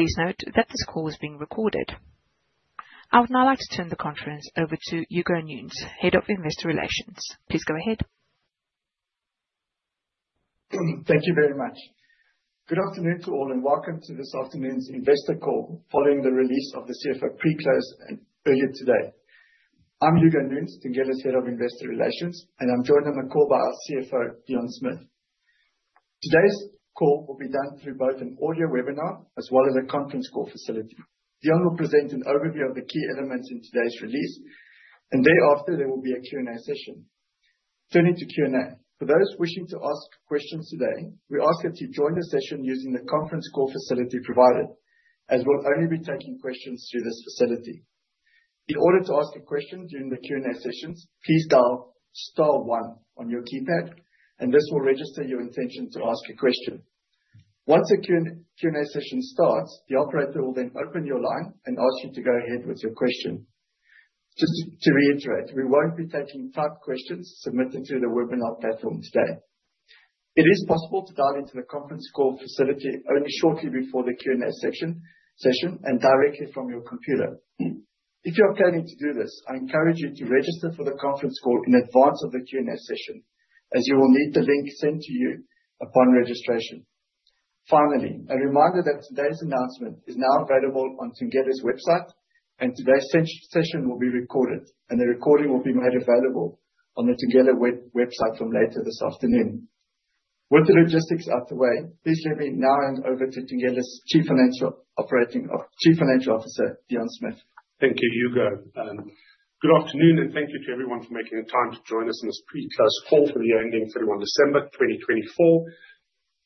Please note that this call is being recorded. I would now like to turn the conference over to Hugo Nunes, Head of Investor Relations. Please go ahead. Thank you very much. Good afternoon to all, and welcome to this afternoon's Investor Call following the release of the CFO pre-close earlier today. I'm Hugo Nunes, Thungela's Head of Investor Relations, and I'm joined on the call by our CFO, Deon Smith. Today's call will be done through both an audio webinar as well as a conference call facility. Deon will present an overview of the key elements in today's release, and thereafter there will be a Q&A session. Turning to Q&A, for those wishing to ask questions today, we ask that you join the session using the conference call facility provided, as we'll only be taking questions through this facility. In order to ask a question during the Q&A sessions, please dial star one on your keypad, and this will register your intention to ask a question. Once the Q&A session starts, the operator will then open your line and ask you to go ahead with your question. Just to reiterate, we won't be taking type questions submitted through the webinar platform today. It is possible to dial into the conference call facility only shortly before the Q&A session and directly from your computer. If you're planning to do this, I encourage you to register for the conference call in advance of the Q&A session, as you will need the link sent to you upon registration. Finally, a reminder that today's announcement is now available on Thungela's website, and today's session will be recorded, and the recording will be made available on the Thungela website from later this afternoon. With the logistics out of the way, please let me now hand over to Thungela's Chief Financial Officer, Deon Smith. Thank you, Hugo. Good afternoon, and thank you to everyone for making the time to join us in this pre-close call for the year ending 31 December, 2024.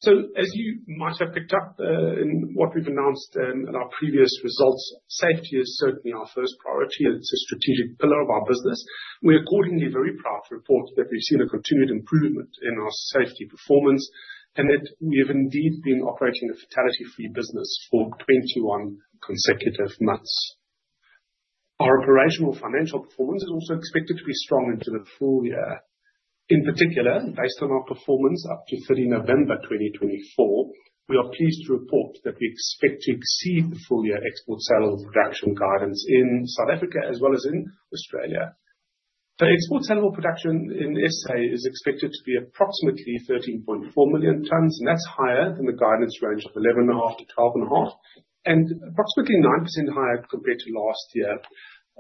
So, as you might have picked up in what we've announced in our previous results, safety is certainly our first priority. It's a strategic pillar of our business. We are accordingly very proud to report that we've seen a continued improvement in our safety performance and that we have indeed been operating a fatality-free business for 21 consecutive months. Our operational financial performance is also expected to be strong into the full year. In particular, based on our performance up to 30 November, 2024, we are pleased to report that we expect to exceed the full-year export sale of production guidance in South Africa as well as in Australia. The export sale of production in SA is expected to be approximately 13.4 million tons, and that's higher than the guidance range of 11.5-12.5, and approximately 9% higher compared to last year.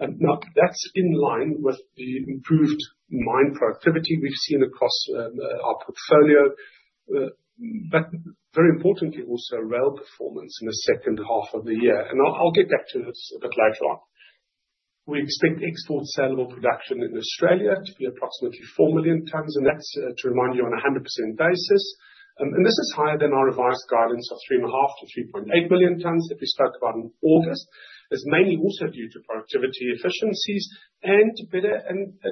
Now, that's in line with the improved mine productivity we've seen across our portfolio, but very importantly, also rail performance in the second half of the year. And I'll get back to this a bit later on. We expect export sale of production in Australia to be approximately 4 million tons, and that's to remind you on a 100% basis. And this is higher than our revised guidance of 3.5 million-3.8 million tons that we spoke about in August. It's mainly also due to productivity efficiencies and better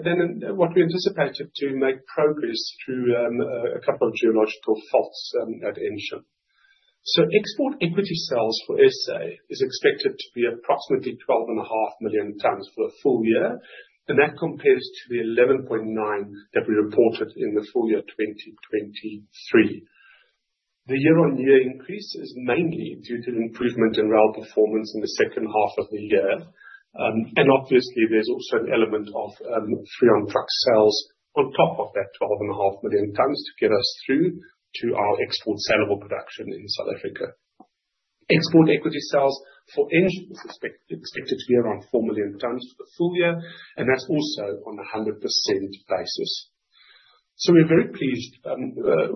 than what we anticipated to make progress through a couple of geological faults at Ensham. Export equity sales for SA is expected to be approximately 12.5 million tons for the full year, and that compares to the 11.9 that we reported in the full year 2023. The year-on-year increase is mainly due to the improvement in rail performance in the second half of the year. Obviously, there's also an element of free on truck sales on top of that 12.5 million tons to get us through to our export sale of production in South Africa. Export equity sales for Ensham is expected to be around four million tons for the full year, and that's also on a 100% basis. We're very pleased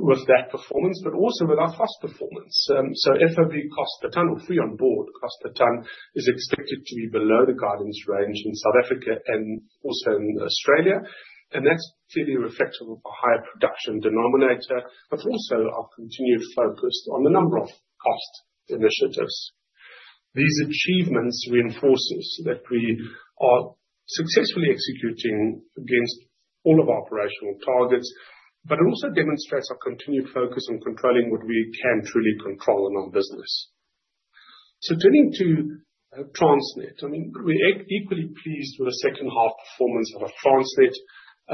with that performance, but also with our cost performance. FOB cost per tonne or free on board cost per tonne is expected to be below the guidance range in South Africa and also in Australia, and that's clearly reflective of a higher production denominator, but also our continued focus on the number of cost initiatives. These achievements reinforce us that we are successfully executing against all of our operational targets, but it also demonstrates our continued focus on controlling what we can truly control in our business. So, turning to Transnet, I mean, we're equally pleased with the second half performance of Transnet,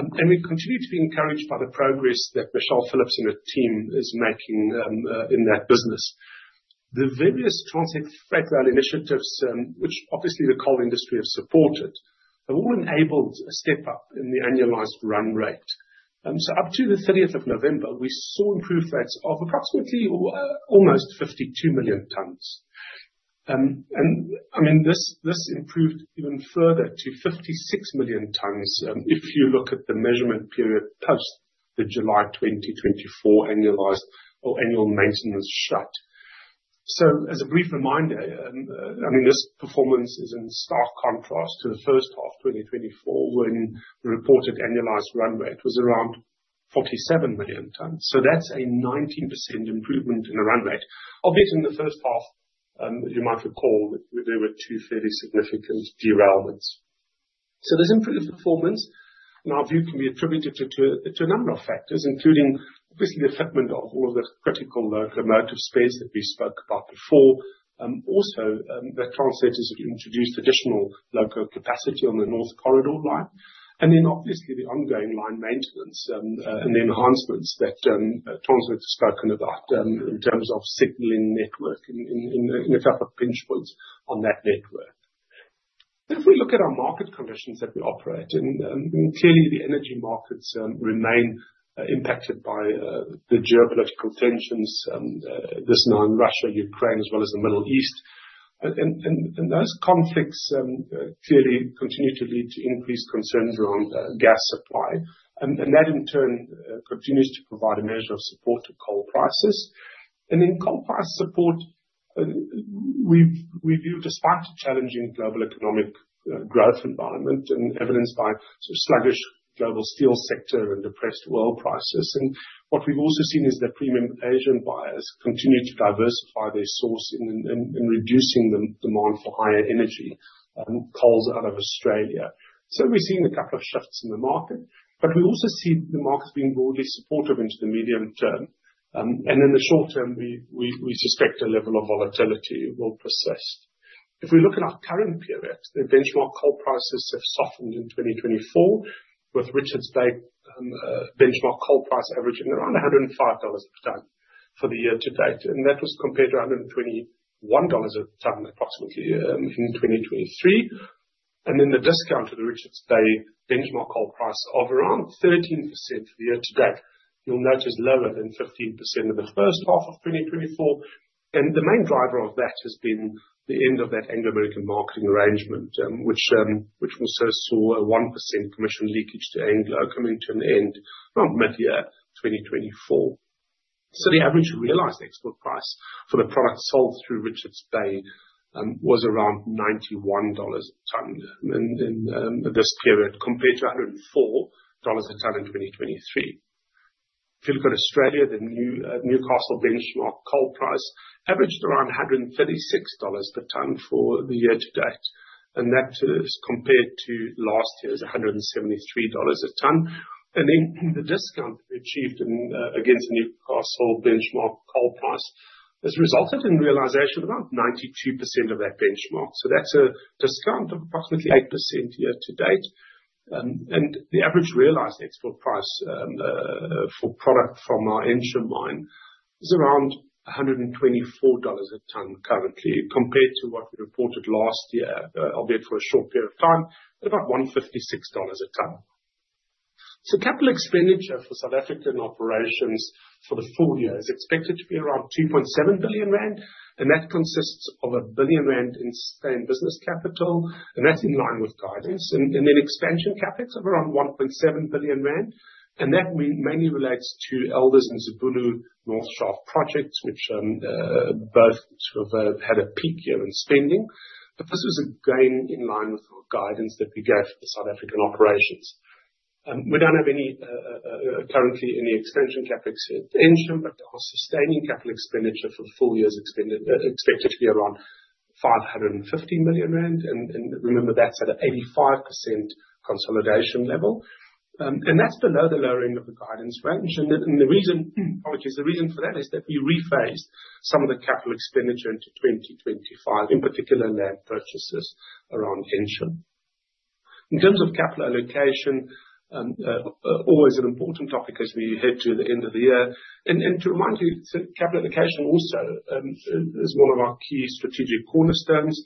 and we continue to be encouraged by the progress that Michelle Phillips and her team are making in that business. The various Transnet Freight Rail initiatives, which obviously the coal industry has supported, have all enabled a step up in the annualized run rate. Up to the 30th of November, we saw improved rates of approximately almost 52 million tons. I mean, this improved even further to 56 million tons if you look at the measurement period post the July 2024 annualized or annual maintenance shut. As a brief reminder, I mean, this performance is in stark contrast to the first half 2024 when the reported annualized run rate was around 47 million tons. That's a 19% improvement in the run rate, albeit in the first half, you might recall that there were two fairly significant derailments. There's improved performance, and our view can be attributed to a number of factors, including, obviously, the fitment of all of the critical locomotive spares that we spoke about before. Also, that Transnet has introduced additional loco capacity on the North Corridor line, and then obviously the ongoing line maintenance and the enhancements that Transnet has spoken about in terms of signaling network in a couple of pinch points on that network. If we look at our market conditions that we operate in, clearly the energy markets remain impacted by the geopolitical tensions, this now in Russia, Ukraine, as well as the Middle East. And those conflicts clearly continue to lead to increased concerns around gas supply, and that in turn continues to provide a measure of support to coal prices. And in coal price support, we view, despite the challenging global economic growth environment and evidenced by sluggish global steel sector and depressed oil prices. And what we've also seen is that premium Asian buyers continue to diversify their source in reducing the demand for higher energy and coals out of Australia. So, we've seen a couple of shifts in the market, but we also see the markets being broadly supportive into the medium term. And in the short term, we suspect a level of volatility will persist. If we look at our current period, the benchmark coal prices have softened in 2024, with Richards Bay benchmark coal price averaging around $105 per tonne for the year-to-date. And that was compared to $121 a tonne, approximately, in 2023. And then the discount to the Richards Bay benchmark coal price of around 13% for the year-to-date, you'll notice lower than 15% in the first half of 2024. And the main driver of that has been the end of that Anglo American marketing arrangement, which also saw a 1% commission leakage to Anglo coming to an end around mid-year 2024. So, the average realized export price for the product sold through Richards Bay was around $91 a tonne in this period, compared to $104 a tonne in 2023. If you look at Australia, the Newcastle benchmark coal price averaged around $136 per tonne for the year to date, and that is compared to last year's $173 a tonne. And then the discount achieved against the Newcastle benchmark coal price has resulted in realization of around 92% of that benchmark. So, that's a discount of approximately 8% year-to-date. The average realized export price for product from our Ensham mine is around $124 a tonne currently, compared to what we reported last year, albeit for a short period of time, at about $156 a tonne. Capital expenditure for South African operations for the full year is expected to be around 2.7 billion rand, and that consists of 1 billion rand in stay-in-business capital, and that's in line with guidance. Expansion CapEx is around 1.7 billion rand, and that mainly relates to Elders and Zibulo North Shaft projects, which both have had a peak year in spending. This is again in line with the guidance that we gave for South African operations. We don't have currently any expansion CapEx at Ensham, but our sustaining capital expenditure for the full year is expected to be around 550 million rand. Remember, that's at an 85% consolidation level, and that's below the lower end of the guidance range. The reason for that is that we rephased some of the capital expenditure into 2025, in particular land purchases around Ensham. In terms of capital allocation, always an important topic as we head to the end of the year. To remind you, capital allocation also is one of our key strategic cornerstones,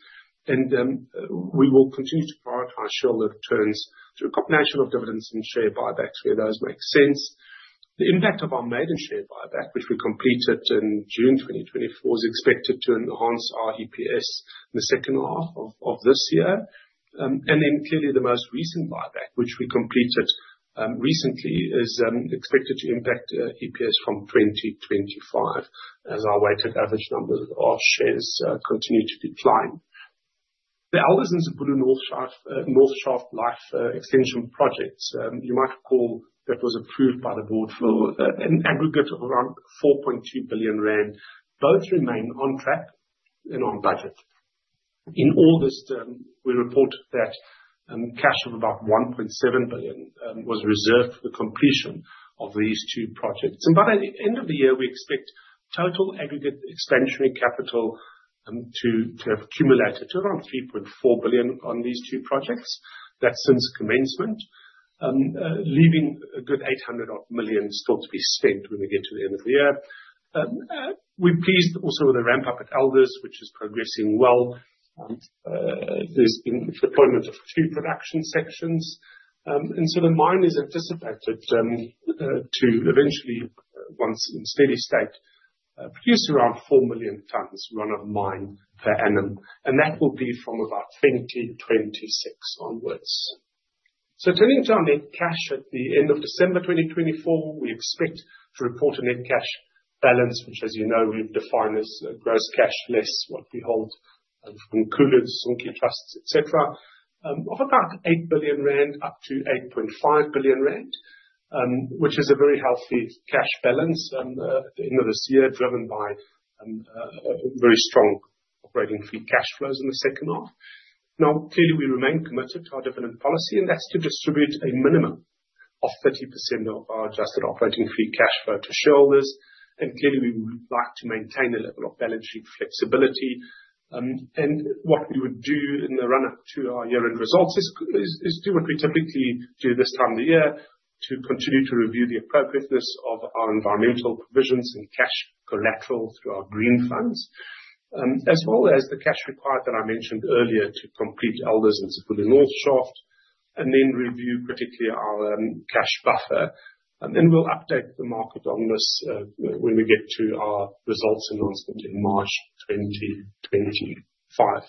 and we will continue to prioritize shareholders through a combination of dividends and share buybacks where those make sense. The impact of our maiden share buyback, which we completed in June 2024, is expected to enhance our EPS in the second half of this year. Clearly, the most recent buyback, which we completed recently, is expected to impact EPS from 2025 as our weighted average numbers of shares continue to decline. The Elders and Zibulo North Shaft life extension projects, you might recall, that was approved by the board for an aggregate of around 4.2 billion rand. Both remain on track and on budget. In August, we reported that cash of about 1.7 billion was reserved for the completion of these two projects. And by the end of the year, we expect total aggregate expansionary capital to have accumulated to around 3.4 billion on these two projects. That's since commencement, leaving a good 800 million still to be spent when we get to the end of the year. We're pleased also with the ramp-up at Elders, which is progressing well. There's been deployment of a few production sections. And so the mine is anticipated to eventually, once in steady state, produce around 4 million tons run of mine per annum, and that will be from about 2026 onwards. Turning to our net cash at the end of December 2024, we expect to report a net cash balance, which, as you know, we've defined as gross cash less what we hold in included sundry trusts, etc., of about 8 billion-8.5 billion rand, which is a very healthy cash balance at the end of this year, driven by very strong operating free cash flows in the second half. Now, clearly, we remain committed to our dividend policy, and that's to distribute a minimum of 30% of our adjusted operating free cash flow to shareholders, and clearly, we would like to maintain a level of balance sheet flexibility. And what we would do in the run-up to our year-end results is do what we typically do this time of the year, to continue to review the appropriateness of our environmental provisions and cash collateral through our green funds, as well as the cash required that I mentioned earlier to complete Elders and Zibulo North Shaft, and then review critically our cash buffer. And we'll update the market on this when we get to our results announcement in March 2025.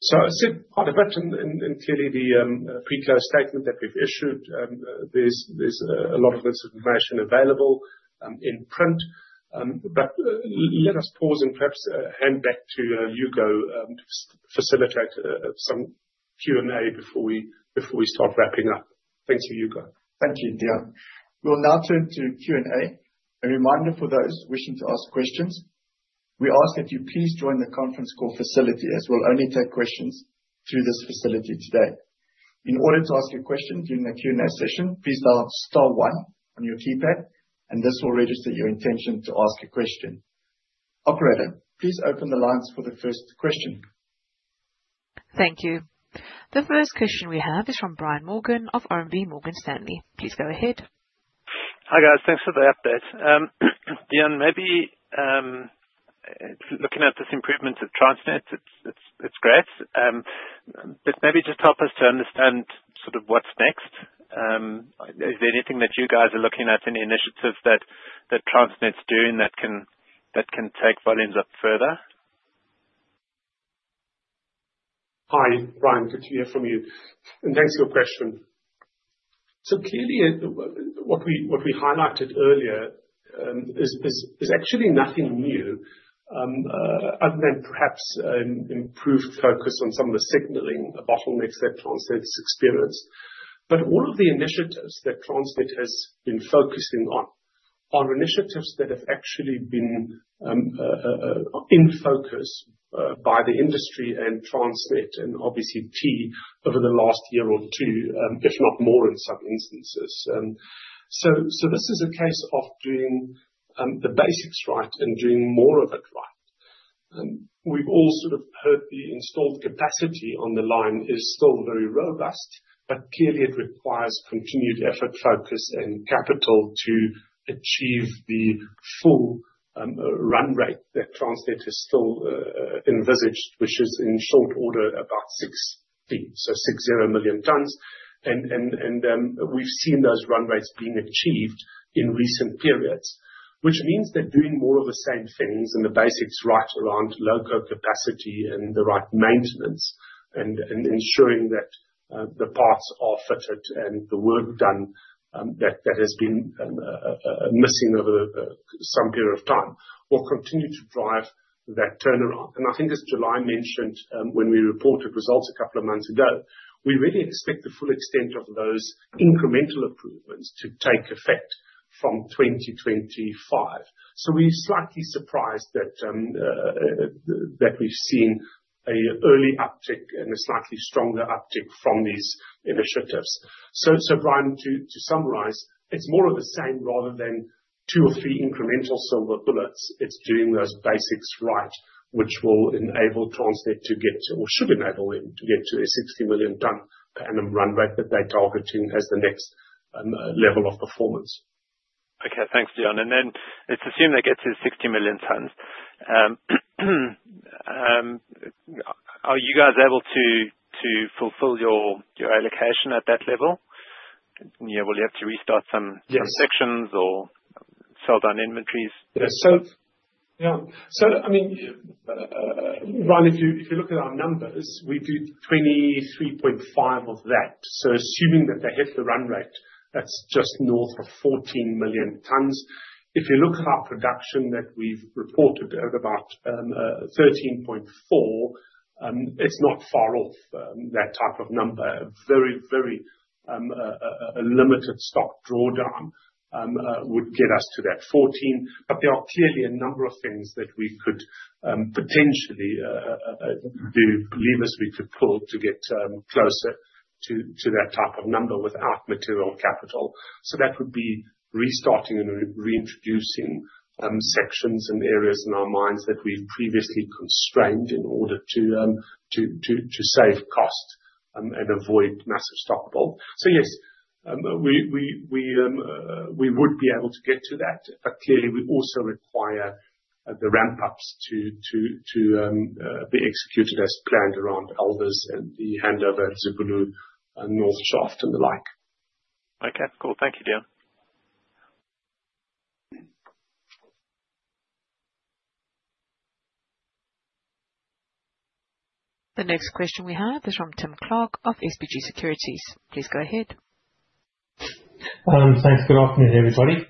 So, I said quite a bit, and clearly, the pre-close statement that we've issued, there's a lot of this information available in print. But let us pause and perhaps hand back to Hugo to facilitate some Q&A before we start wrapping up. Thanks, Hugo. Thank you, Deon. We'll now turn to Q&A. A reminder for those wishing to ask questions, we ask that you please join the conference call facility as we'll only take questions through this facility today. In order to ask a question during the Q&A session, please dial star one on your keypad, and this will register your intention to ask a question. Operator, please open the lines for the first question. Thank you. The first question we have is from Brian Morgan of RMB Morgan Stanley. Please go ahead. Hi guys, thanks for the update. Deon, maybe looking at this improvement of Transnet, it's great, but maybe just help us to understand sort of what's next. Is there anything that you guys are looking at, any initiatives that Transnet's doing that can take volumes up further? Hi, Brian, good to hear from you, and thanks for your question. So clearly, what we highlighted earlier is actually nothing new other than perhaps improved focus on some of the signaling, the bottlenecks that Transnet's experienced. But all of the initiatives that Transnet has been focusing on are initiatives that have actually been in focus by the industry and Transnet, and obviously T over the last year or two, if not more in some instances. So this is a case of doing the basics right and doing more of it right. We've all sort of heard the installed capacity on the line is still very robust, but clearly it requires continued effort, focus, and capital to achieve the full run rate that Transnet has still envisaged, which is in short order about 60, so 60 million tonnes. We've seen those run rates being achieved in recent periods, which means that doing more of the same things and the basics right around loco capacity and the right maintenance and ensuring that the parts are fitted and the work done that has been missing over some period of time will continue to drive that turnaround. I think, as July mentioned when we reported results a couple of months ago, we really expect the full extent of those incremental improvements to take effect from 2025. We're slightly surprised that we've seen an early uptick and a slightly stronger uptick from these initiatives. Brian, to summarize, it's more of the same rather than two or three incremental silver bullets. It's doing those basics right, which will enable Transnet to get, or should enable them to get to a 60 million tonne per annum run rate that they're targeting as the next level of performance. Okay, thanks, Deon. Then let's assume they get to 60 million tonnes. Are you guys able to fulfil your allocation at that level? Will you have to restart some sections or sell down inventories? Yeah, so I mean, Brian, if you look at our numbers, we do 23.5 of that. So assuming that they hit the run rate, that's just north of 14 million tonnes. If you look at our production that we've reported at about 13.4, it's not far off that type of number. Very, very limited stock drawdown would get us to that 14. But there are clearly a number of things that we could potentially do, levers we could pull to get closer to that type of number without material capital. So that would be restarting and reintroducing sections and areas in our mines that we've previously constrained in order to save cost and avoid massive stockpile. So yes, we would be able to get to that, but clearly we also require the ramp-ups to be executed as planned around Elders and the handover at Zibulo North Shaft and the like. Okay, cool. Thank you, Deon. The next question we have is from Tim Clark of SBG Securities. Please go ahead. Thanks. Good afternoon, everybody.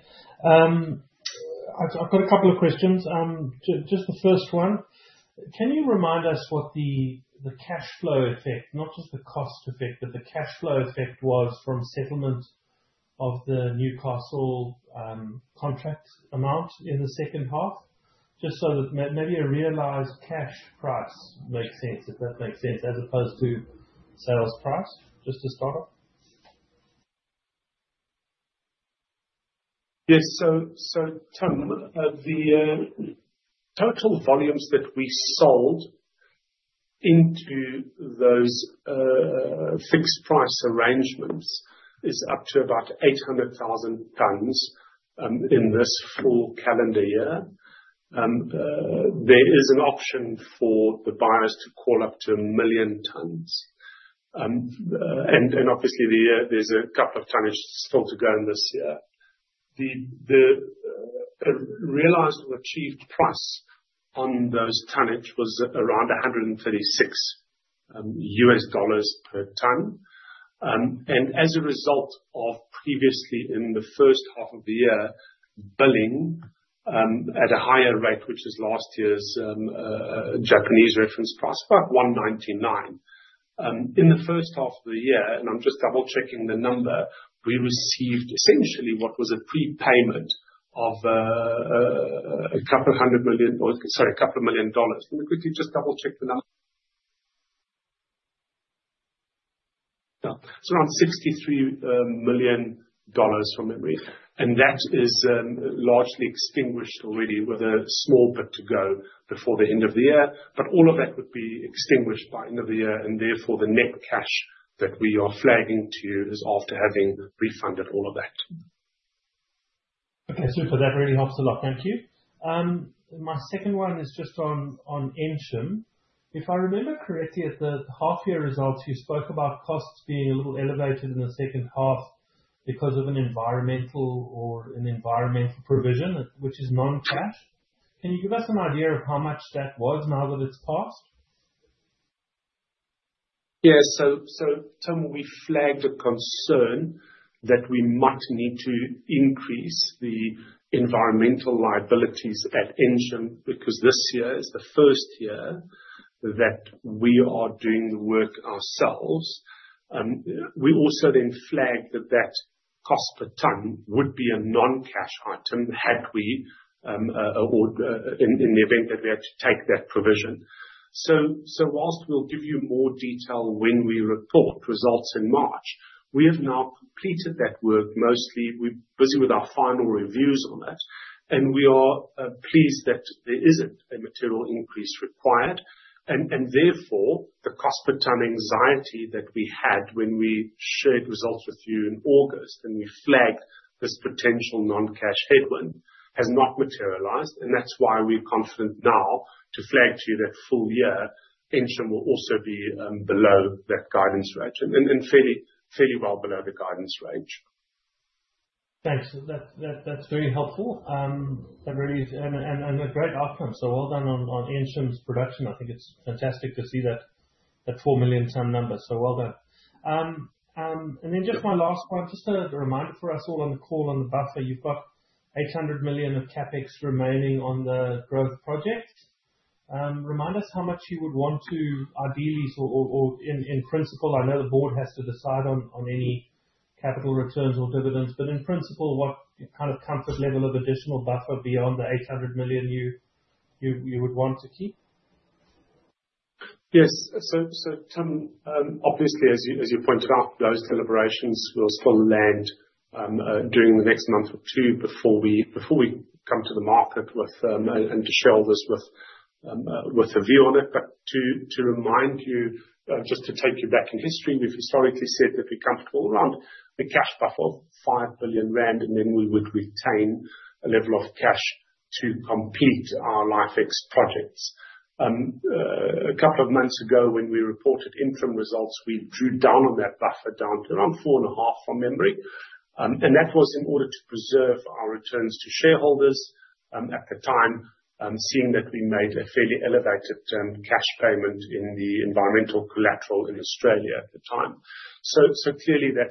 I've got a couple of questions. Just the first one, can you remind us what the cash flow effect, not just the cost effect, but the cash flow effect was from settlement of the Newcastle contract amount in the second half? Just so that maybe a realized cash price makes sense, if that makes sense, as opposed to sales price, just to start off. Yes. So, Tom, the total volumes that we sold into those fixed price arrangements is up to about 800,000 tonnes in this full calendar year. There is an option for the buyers to call up to a million tonnes. And obviously, there's a couple of tonnage still to go in this year. The realized or achieved price on those tonnage was around $136 per tonne. As a result of previously, in the first half of the year, billing at a higher rate, which is last year's Japanese reference price, about 199. In the first half of the year, and I'm just double-checking the number, we received essentially what was a prepayment of a couple of hundred million, sorry, a couple of million dollars. Let me quickly just double-check the number. It's around $63 million from memory, and that is largely extinguished already with a small bit to go before the end of the year. But all of that would be extinguished by end of the year, and therefore the net cash that we are flagging to you is after having refunded all of that. Okay, super. That really helps a lot. Thank you. My second one is just on Ensham. If I remember correctly, at the half-year results, you spoke about costs being a little elevated in the second half because of an environmental provision, which is non-cash. Can you give us an idea of how much that was now that it's passed? Yes. So, Tim, we flagged a concern that we might need to increase the environmental liabilities at Ensham because this year is the first year that we are doing the work ourselves. We also then flagged that that cost per ton would be a non-cash item had we, in the event that we had to take that provision. So while we'll give you more detail when we report results in March, we have now completed that work mostly. We're busy with our final reviews on it, and we are pleased that there isn't a material increase required. Therefore, the cost per tonne anxiety that we had when we shared results with you in August and we flagged this potential non-cash headwind has not materialized. That's why we're confident now to flag to you that full year Ensham will also be below that guidance range and fairly well below the guidance range. Thanks. That's very helpful. That really is a great outcome. Well done on Ensham's production. I think it's fantastic to see that four million tonne number. Well done. Then just my last one, just a reminder for us all on the call on the buffer. You've got 800 million of CapEx remaining on the growth project. Remind us how much you would want to ideally, or in principle. I know the board has to decide on any capital returns or dividends, but in principle, what kind of comfort level of additional buffer beyond the 800 million you would want to keep? Yes. So, Tim, obviously, as you pointed out, those deliberations will still land during the next month or two before we come to the market and to share all this with a view on it. But to remind you, just to take you back in history, we've historically said that we're comfortable around the cash buffer of 5 billion rand, and then we would retain a level of cash to complete our LifeX projects. A couple of months ago, when we reported interim results, we drew down on that buffer down to around 4.5 billion from memory. That was in order to preserve our returns to shareholders at the time, seeing that we made a fairly elevated cash payment in the environmental collateral in Australia at the time. Clearly, that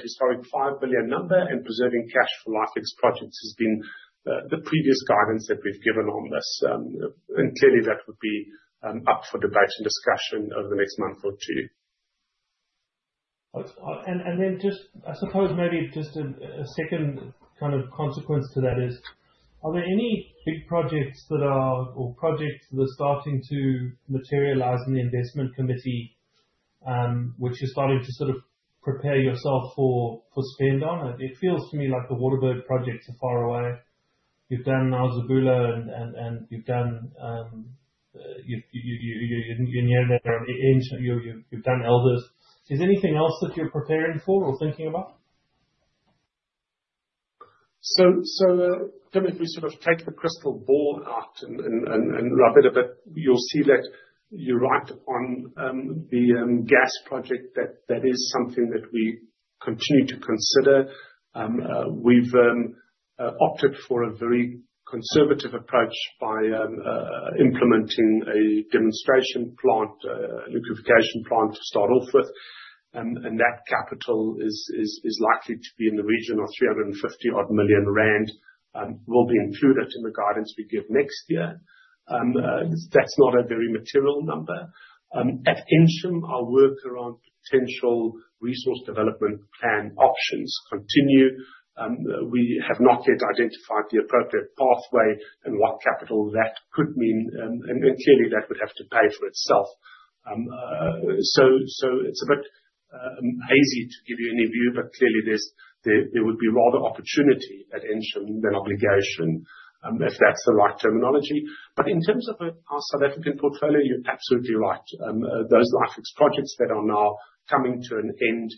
historic 5 billion number and preserving cash for LifeX projects has been the previous guidance that we've given on this. Clearly, that would be up for debate and discussion over the next month or two. I suppose, maybe just a second kind of consequence to that is, are there any projects that are starting to materialize in the investment committee, which you're starting to sort of prepare yourself for spend on? It feels to me like the Waterberg projects are far away. You've done Zibulo, and you've done Elders, and you're nearing Ensham. Is there anything else that you're preparing for or thinking about? So, Tim, if we sort of take the crystal ball out and rub it a bit, you'll see that you're right upon the gas project. That is something that we continue to consider. We've opted for a very conservative approach by implementing a demonstration plant, a liquefaction plant to start off with. And that capital is likely to be in the region of 350-odd million rand. We'll be included in the guidance we give next year. That's not a very material number. At Ensham, our work around potential resource development plan options continue. We have not yet identified the appropriate pathway and what capital that could mean. And clearly, that would have to pay for itself. It's a bit hazy to give you any view, but clearly, there would be rather opportunity at Ensham than obligation, if that's the right terminology. But in terms of our South African portfolio, you're absolutely right. Those LifeX projects that are now coming to an end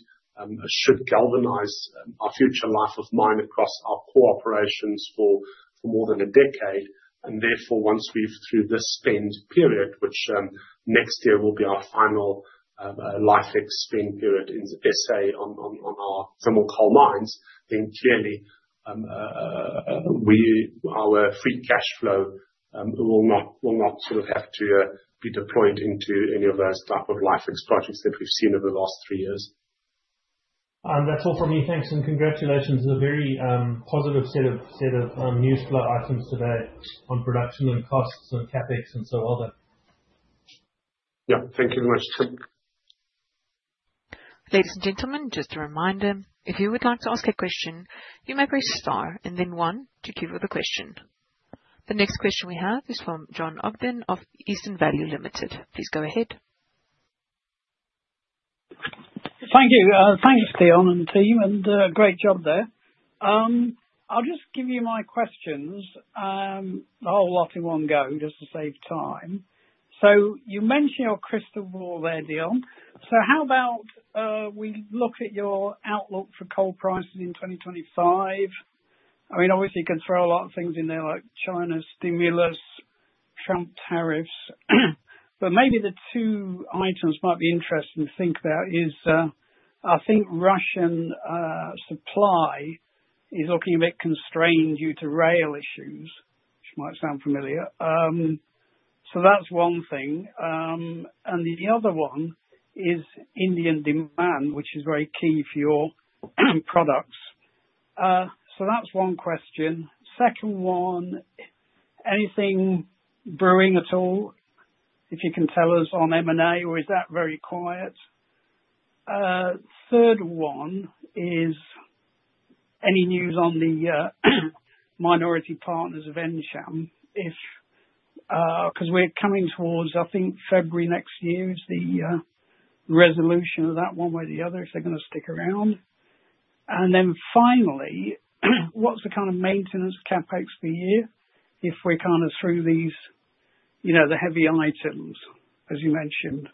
should galvanize our future life of mine across our core operations for more than a decade. And therefore, once we're through this spend period, which next year will be our final LifeX spend period in SA on our thermal coal mines, then clearly our free cash flow will not sort of have to be deployed into any of those type of LifeX projects that we've seen over the last three years. And that's all from me. Thanks. And congratulations. It's a very positive set of news flow items today on production and costs and CapEx and so on. Yeah. Thank you very much, Tim. Ladies and gentlemen, just a reminder, if you would like to ask a question, you may press star and then one to queue for the question. The next question we have is from Jon Ogden of Eastern Value Limited. Please go ahead. Thank you. Thanks, Deon and team, and great job there. I'll just give you my questions, a whole lot in one go, just to save time. So you mentioned your crystal ball there, Deon. So how about we look at your outlook for coal prices in 2025? I mean, obviously, you can throw a lot of things in there, like China stimulus, Trump tariffs. But maybe the two items might be interesting to think about is, I think Russian supply is looking a bit constrained due to rail issues, which might sound familiar. So that's one thing. The other one is Indian demand, which is very key for your products. So that's one question. Second one, anything brewing at all, if you can tell us on M&A, or is that very quiet? Third one is any news on the minority partners of Ensham? Because we're coming towards, I think, February next year's resolution of that one way or the other, if they're going to stick around. And then finally, what's the kind of maintenance CapEx for you if we're kind of through the heavier items, as you mentioned?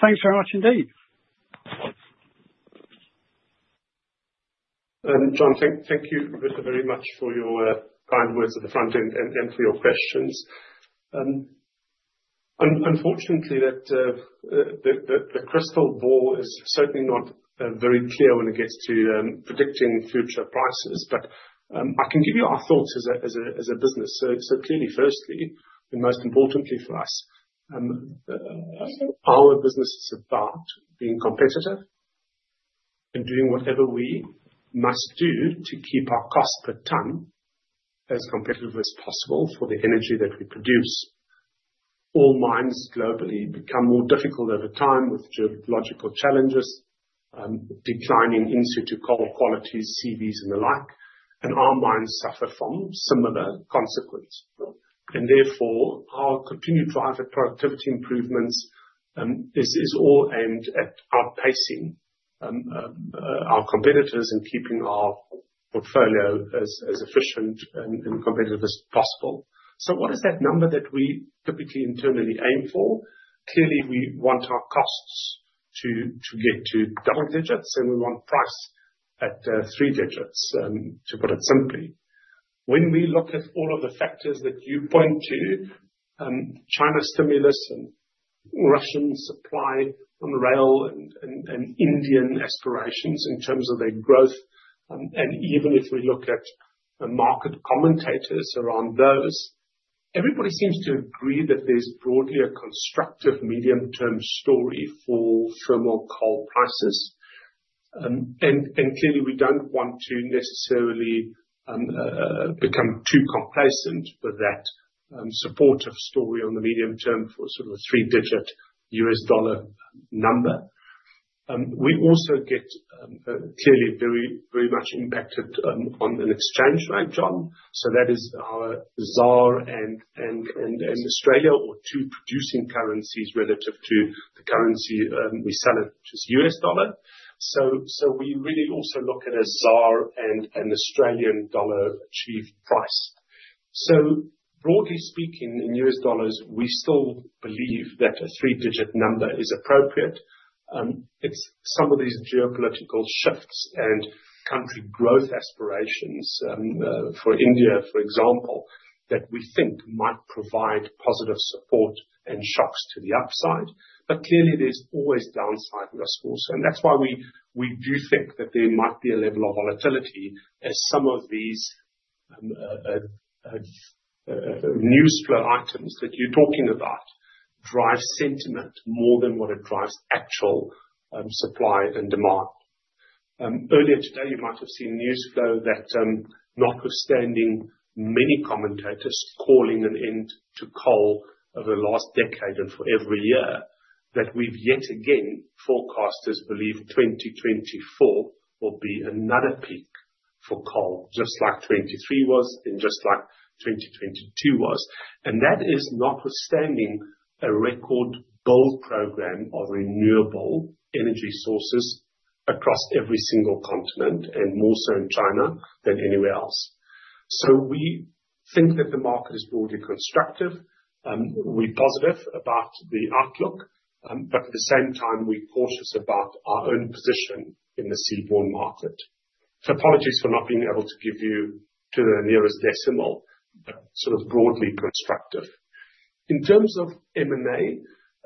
Thanks very much indeed. Jon, thank you very much for your kind words at the front end and for your questions. Unfortunately, the crystal ball is certainly not very clear when it gets to predicting future prices, but I can give you our thoughts as a business. So clearly, firstly, and most importantly for us, our business is about being competitive and doing whatever we must do to keep our cost per tonne as competitive as possible for the energy that we produce. All mines globally become more difficult over time with geological challenges, declining in situ coal qualities, CVs, and the like. And our mines suffer from similar consequences. And therefore, our continued drive at productivity improvements is all aimed at outpacing our competitors and keeping our portfolio as efficient and competitive as possible. So what is that number that we typically internally aim for? Clearly, we want our costs to get to double digits, and we want price at three digits, to put it simply. When we look at all of the factors that you point to, China stimulus and Russian supply on rail and Indian aspirations in terms of their growth, and even if we look at market commentators around those, everybody seems to agree that there's broadly a constructive medium-term story for thermal coal prices. And clearly, we don't want to necessarily become too complacent with that supportive story on the medium term for sort of a three-digit U.S. dollar number. We also get clearly very much impacted on an exchange rate, Jon. So that is our ZAR and AUD or two producing currencies relative to the currency we sell it, which is U.S. dollar. So we really also look at a ZAR and Australian dollar achieved price. So broadly speaking, in US dollars, we still believe that a three-digit number is appropriate. It's some of these geopolitical shifts and country growth aspirations for India, for example, that we think might provide positive support and shocks to the upside. But clearly, there's always downside risk also. And that's why we do think that there might be a level of volatility as some of these news flow items that you're talking about drive sentiment more than what it drives actual supply and demand. Earlier today, you might have seen news flow that, notwithstanding many commentators calling an end to coal over the last decade and for every year, that we've yet again forecasters believe 2024 will be another peak for coal, just like 2023 was and just like 2022 was. And that is notwithstanding a record build program of renewable energy sources across every single continent, and more so in China than anywhere else. So we think that the market is broadly constructive. We're positive about the outlook, but at the same time, we're cautious about our own position in the seaborne market. So apologies for not being able to give you to the nearest decimal, but sort of broadly constructive. In terms of M&A,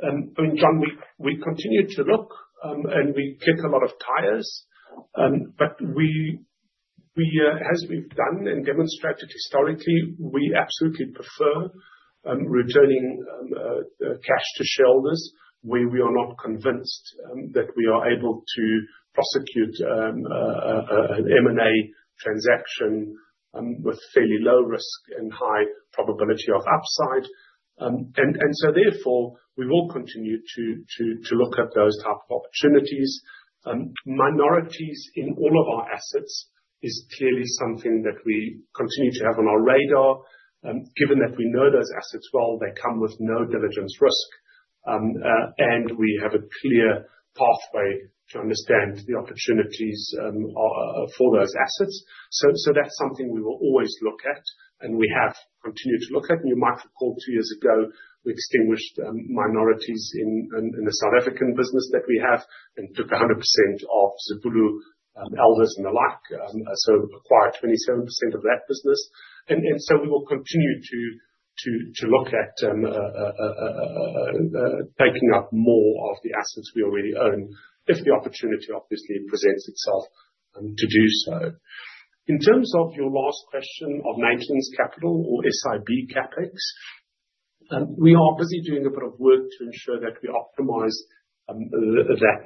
I mean, Jon, we continue to look, and we kick a lot of tires. But as we've done and demonstrated historically, we absolutely prefer returning cash to shareholders where we are not convinced that we are able to prosecute an M&A transaction with fairly low risk and high probability of upside. And so therefore, we will continue to look at those type of opportunities. Minorities in all of our assets is clearly something that we continue to have on our radar, given that we know those assets well, they come with no diligence risk, and we have a clear pathway to understand the opportunities for those assets. So that's something we will always look at, and we have continued to look at. And you might recall two years ago, we extinguished minorities in the South African business that we have and took 100% of Zibulo, Elders, and the like, so acquired 27% of that business. And so we will continue to look at taking up more of the assets we already own if the opportunity obviously presents itself to do so. In terms of your last question of maintenance capital or SIB CapEx, we are busy doing a bit of work to ensure that we optimize that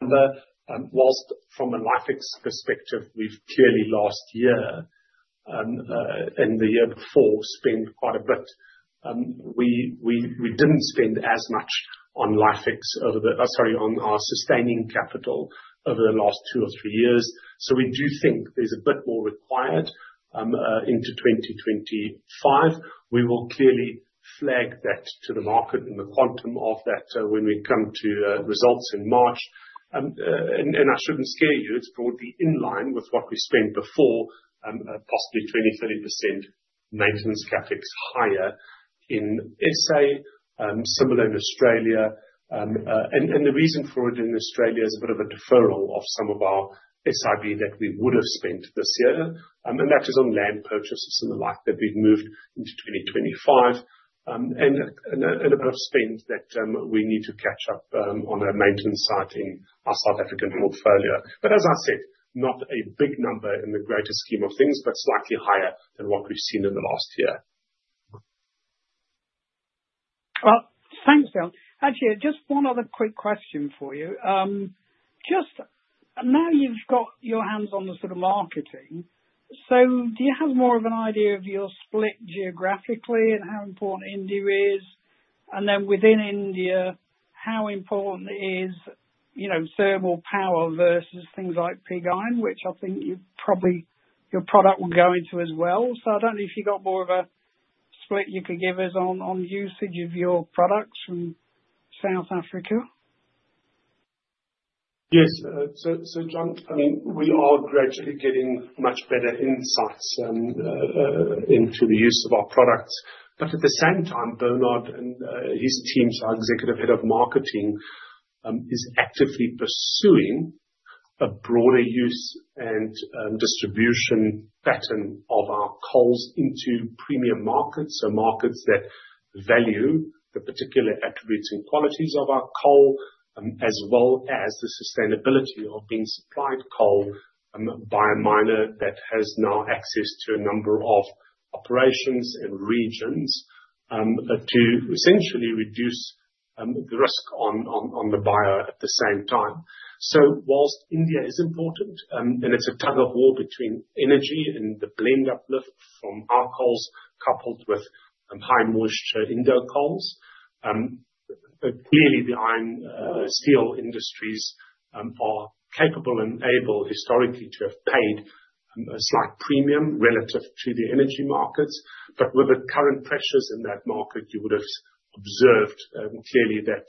number. Whilst from a LifeX perspective, we've clearly last year and the year before spent quite a bit, we didn't spend as much on LifeX over the, sorry, on our sustaining capital over the last two or three years. So we do think there's a bit more required into 2025. We will clearly flag that to the market in the quantum of that when we come to results in March, and I shouldn't scare you. It's broadly in line with what we spent before, possibly 20%-30% maintenance CapEx higher in SA, similar in Australia, and the reason for it in Australia is a bit of a deferral of some of our SIB that we would have spent this year, and that is on land purchases and the like that we've moved into 2025, and a bit of spend that we need to catch up on a maintenance site in our South African portfolio, but as I said, not a big number in the greater scheme of things, but slightly higher than what we've seen in the last year. Well, thanks, Deon. Actually, just one other quick question for you. Just now, you've got your hands on the sort of marketing. So, do you have more of an idea of your split geographically and how important India is? And then within India, how important is thermal power versus things like pig iron, which I think your product will go into as well? So I don't know if you've got more of a split you could give us on usage of your products from South Africa. Yes. So, Jon, I mean, we are gradually getting much better insights into the use of our products. But at the same time, Bernard and his teams, our Executive Head of Marketing, is actively pursuing a broader use and distribution pattern of our coals into premium markets, so markets that value the particular attributes and qualities of our coal, as well as the sustainability of being supplied coal by a miner that has now access to a number of operations and regions to essentially reduce the risk on the buyer at the same time. So while India is important, and it's a tug-of-war between energy and the blend uplift from our coals coupled with high-moisture Indo coals, clearly the iron steel industries are capable and able historically to have paid a slight premium relative to the energy markets. But with the current pressures in that market, you would have observed clearly that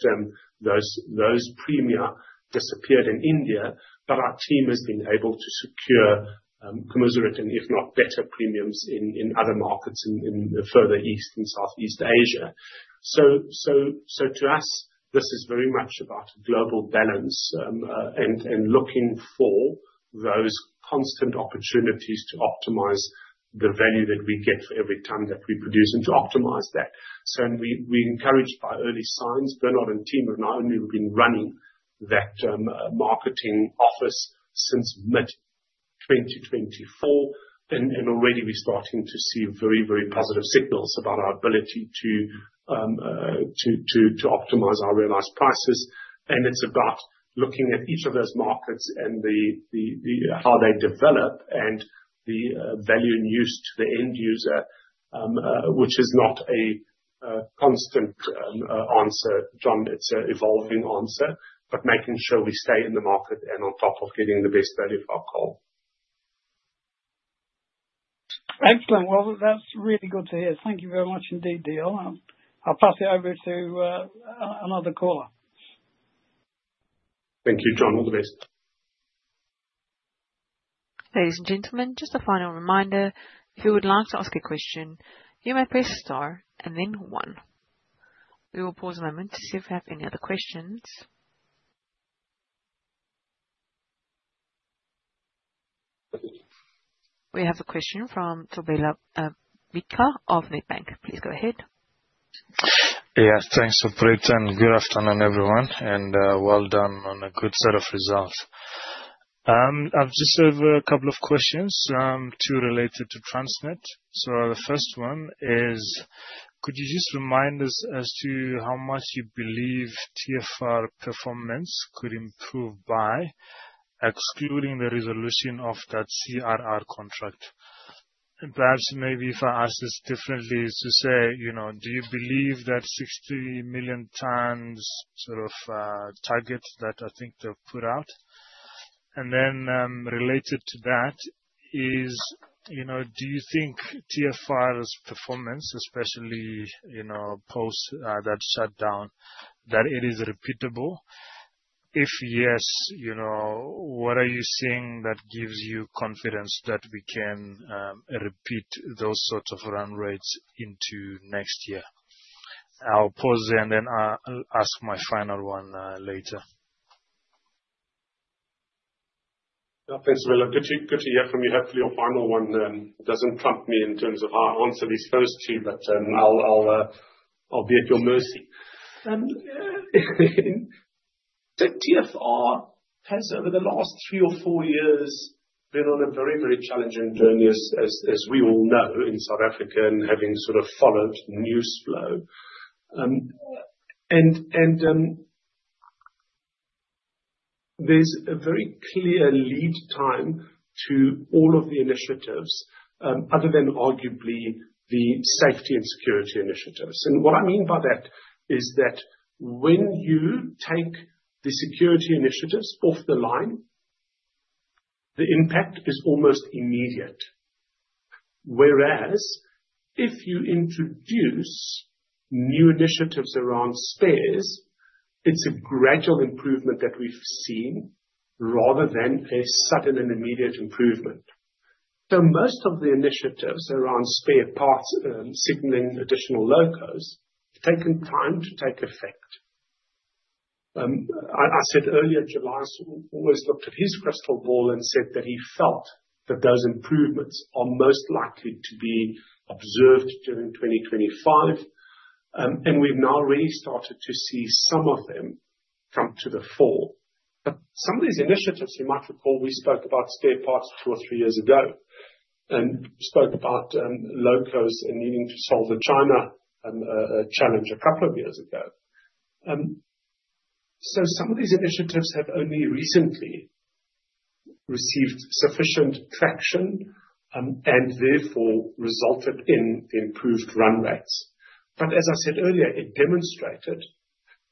those premiums disappeared in India, but our team has been able to secure commensurate and, if not better, premiums in other markets in further east and southeast Asia. So to us, this is very much about a global balance and looking for those constant opportunities to optimize the value that we get for every tonne that we produce and to optimize that. So we're encouraged by early signs. Bernard and team have not only been running that marketing office since mid-2024, and already we're starting to see very, very positive signals about our ability to optimize our realized prices. And it's about looking at each of those markets and how they develop and the value and use to the end user, which is not a constant answer, Jon. It's an evolving answer, but making sure we stay in the market and on top of getting the best value for our coal. Excellent. Well, that's really good to hear. Thank you very much indeed, Deon. I'll pass you over to another caller. Thank you, Jon. All the best. Ladies and gentlemen, just a final reminder, if you would like to ask a question, you may press star and then one. We will pause a moment to see if we have any other questions. We have a question from Thobela Bixa of Nedbank. Please go ahead. Yeah. Thanks for taking time. Good afternoon, everyone, and well done on a good set of results. I've just have a couple of questions, two related to Transnet. So the first one is, could you just remind us as to how much you believe TFR performance could improve by excluding the resolution of that CRR contract? And perhaps maybe if I ask this differently, to say, do you believe that 60 million tonnes sort of target that I think they've put out? And then related to that is, do you think TFR's performance, especially post that shutdown, that it is repeatable? If yes, what are you seeing that gives you confidence that we can repeat those sorts of run rates into next year? I'll pause there and then ask my final one later. Thanks, Thobela. Good to hear from you. Hopefully, your final one doesn't trump me in terms of how I answer these first two, but I'll be at your mercy. TFR has, over the last three or four years, been on a very, very challenging journey, as we all know, in South Africa, and having sort of followed news flow, and there's a very clear lead time to all of the initiatives other than arguably the safety and security initiatives, and what I mean by that is that when you take the security initiatives online, the impact is almost immediate. Whereas if you introduce new initiatives around spares, it's a gradual improvement that we've seen rather than a sudden and immediate improvement, so most of the initiatives around spare parts, signaling additional locos, have taken time to take effect. I said earlier, Gelaunce always looked at his crystal ball and said that he felt that those improvements are most likely to be observed during 2025. We've now really started to see some of them come to the fore. But some of these initiatives, you might recall, we spoke about spare parts two or three years ago and spoke about locos and needing to solve the China challenge a couple of years ago. So some of these initiatives have only recently received sufficient traction and therefore resulted in improved run rates. But as I said earlier, it demonstrated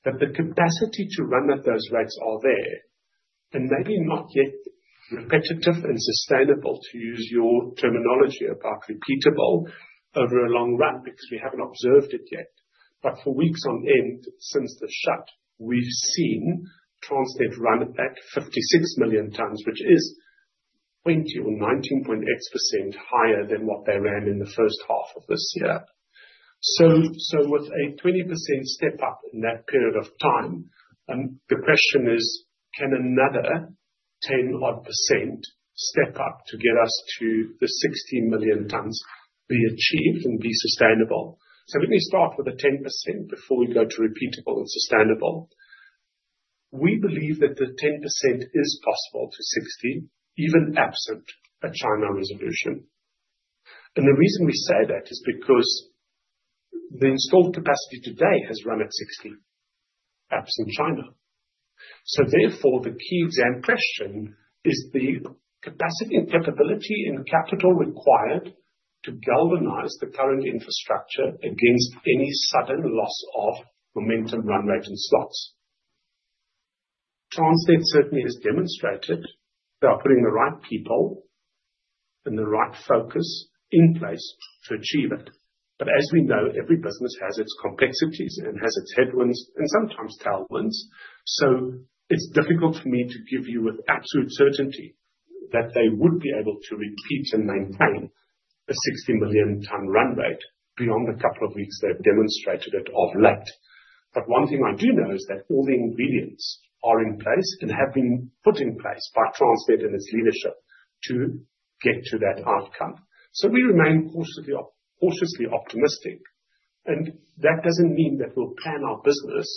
that the capacity to run at those rates are there and maybe not yet repetitive and sustainable, to use your terminology about repeatable over a long run because we haven't observed it yet. But for weeks on end since the shut, we've seen Transnet run at that 56 million tonnes, which is 20% or 19.x% higher than what they ran in the first half of this year. With a 20% step up in that period of time, the question is, can another 10-odd% step up to get us to the 60 million tonnes be achieved and be sustainable? Let me start with a 10% before we go to repeatable and sustainable. We believe that the 10% is possible to 60, even absent a China resolution. The reason we say that is because the installed capacity today has run at 60, absent China. Therefore, the key exam question is the capacity and capability and capital required to galvanize the current infrastructure against any sudden loss of momentum run rate and slots. Transnet certainly has demonstrated they are putting the right people and the right focus in place to achieve it. But as we know, every business has its complexities and has its headwinds and sometimes tailwinds. So it's difficult for me to give you with absolute certainty that they would be able to repeat and maintain a 60 million tonne run rate beyond the couple of weeks they've demonstrated it of late. But one thing I do know is that all the ingredients are in place and have been put in place by Transnet and its leadership to get to that outcome. So we remain cautiously optimistic. And that doesn't mean that we'll plan our business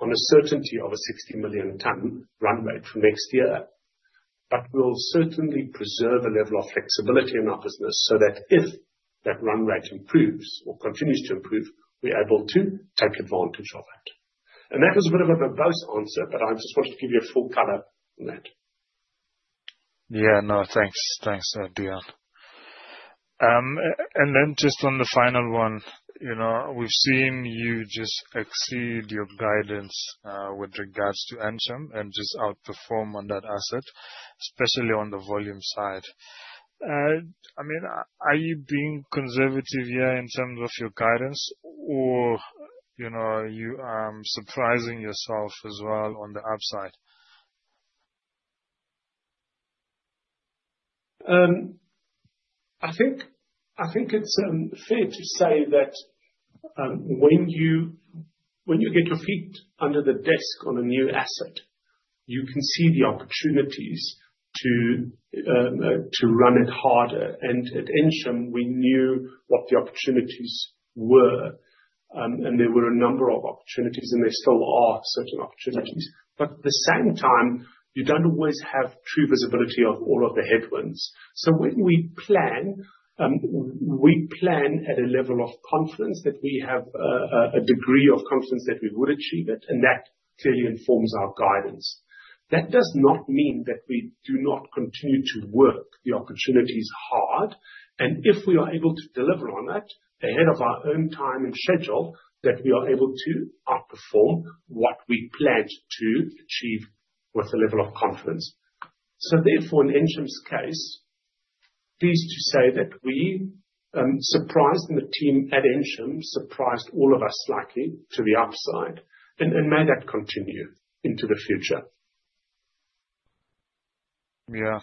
on a certainty of a 60 million tonne run rate for next year, but we'll certainly preserve a level of flexibility in our business so that if that run rate improves or continues to improve, we're able to take advantage of it. And that was a bit of a verbose answer, but I just wanted to give you a full color on that. Yeah. No, thanks. Thanks, Deon. And then just on the final one, we've seen you just exceed your guidance with regards to Ensham and just outperform on that asset, especially on the volume side. I mean, are you being conservative here in terms of your guidance, or are you surprising yourself as well on the upside? I think it's fair to say that when you get your feet under the desk on a new asset, you can see the opportunities to run it harder. And at Ensham, we knew what the opportunities were, and there were a number of opportunities, and there still are certain opportunities. But at the same time, you don't always have true visibility of all of the headwinds. So when we plan, we plan at a level of confidence that we have a degree of confidence that we would achieve it, and that clearly informs our guidance. That does not mean that we do not continue to work the opportunities hard. And if we are able to deliver on it ahead of our own time and schedule, that we are able to outperform what we planned to achieve with a level of confidence. So therefore, in Ensham's case, it is to say that we surprised the team at Ensham, surprised all of us slightly to the upside, and may that continue into the future. Yeah.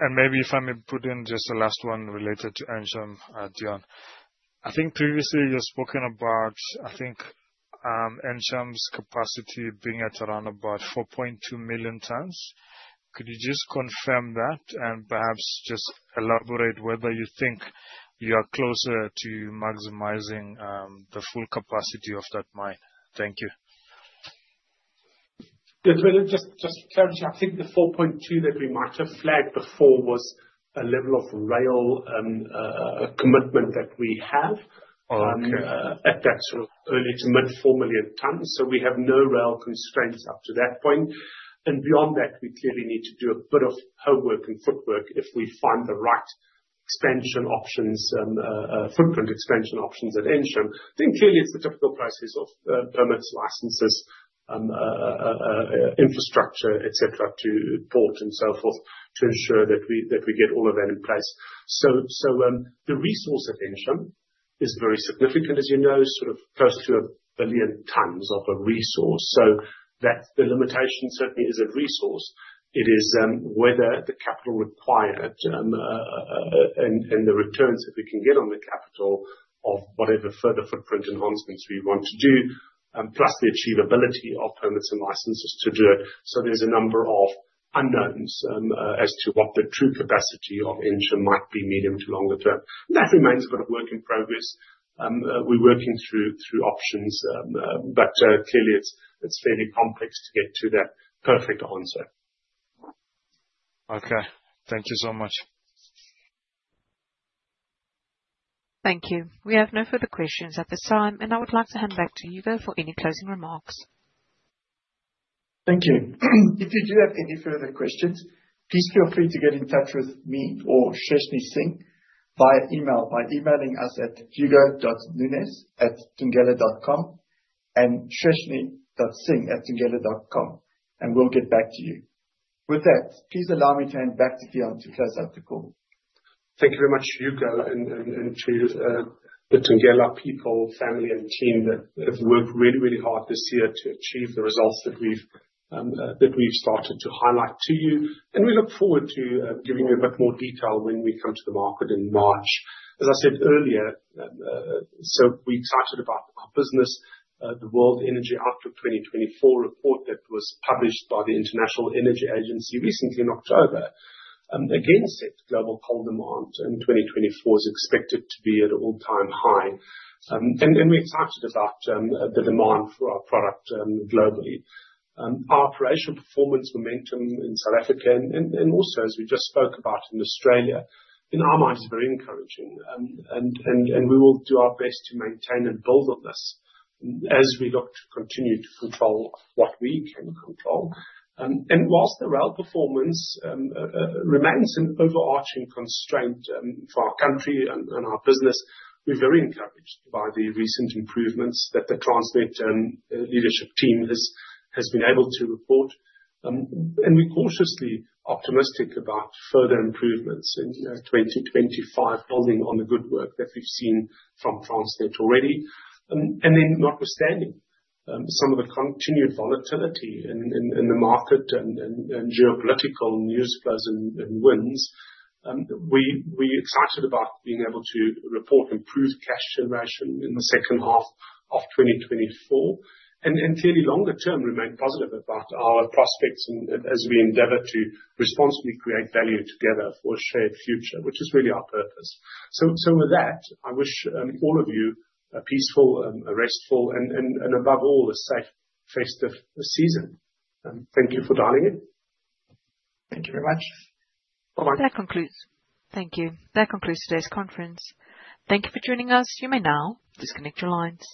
And maybe if I may put in just the last one related to Ensham, Deon. I think previously you've spoken about, I think, Ensham's capacity being at around about 4.2 million tonnes. Could you just confirm that and perhaps just elaborate whether you think you are closer to maximizing the full capacity of that mine? Thank you. Just for clarity, I think the 4.2 that we might have flagged before was a level of rail commitment that we have at that sort of early to mid-4 million tonnes. So we have no rail constraints up to that point. And beyond that, we clearly need to do a bit of homework and footwork if we find the right expansion options, footprint expansion options at Ensham. I think clearly it's the typical process of permits, licenses, infrastructure, etc., to port and so forth to ensure that we get all of that in place. So the resource at Ensham is very significant, as you know, sort of close to a billion tonnes of a resource. So the limitation certainly is a resource. It is whether the capital required and the returns that we can get on the capital of whatever further footprint enhancements we want to do, plus the achievability of permits and licenses to do it. So there's a number of unknowns as to what the true capacity of Ensham might be medium to longer term. That remains a bit of work in progress. We're working through options, but clearly it's fairly complex to get to that perfect answer. Okay. Thank you so much. Thank you. We have no further questions at this time, and I would like to hand back to Hugo for any closing remarks. Thank you. If you do have any further questions, please feel free to get in touch with me or Shasnee Singh via email by emailing us at hugo.nunes@thungela.com and shasnee.singh@thungela.com, and we'll get back to you. With that, please allow me to hand back to Deon to close out the call. Thank you very much, Hugo, and to the Thungela people, family, and team that have worked really, really hard this year to achieve the results that we've started to highlight to you. And we look forward to giving you a bit more detail when we come to the market in March. As I said earlier, so we're excited about our business. The World Energy Outlook 2024 report that was published by the International Energy Agency recently in October again said global coal demand in 2024 is expected to be at an all-time high. And we're excited about the demand for our product globally. Our operational performance momentum in South Africa and also, as we just spoke about, in Australia, in our mind, is very encouraging. And we will do our best to maintain and build on this as we look to continue to control what we can control. And while the rail performance remains an overarching constraint for our country and our business, we're very encouraged by the recent improvements that the Transnet leadership team has been able to report. And we're cautiously optimistic about further improvements in 2025, building on the good work that we've seen from Transnet already. And then notwithstanding some of the continued volatility in the market and geopolitical news flows and winds, we're excited about being able to report improved cash generation in the second half of 2024. And clearly, longer term, we remain positive about our prospects as we endeavor to responsibly create value together for a shared future, which is really our purpose. So with that, I wish all of you a peaceful, restful, and above all, a safe, festive season. Thank you for dialing in. Thank you very much. That concludes today's conference. Thank you for joining us. You may now disconnect your lines.